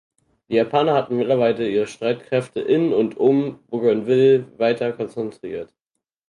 Die Japaner hatten mittlerweile ihre Streitkräfte in und um Bougainville weiter konzentriert.